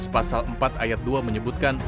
pasal empat ayat dua menyebutkan